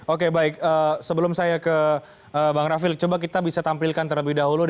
oke baik sebelum saya ke bang rafil coba kita bisa tampilkan terlebih dahulu